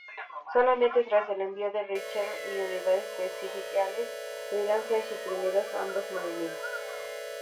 Solamente tras el envío del Reichswehr y unidades especiales pudieron ser suprimidos ambos movimientos.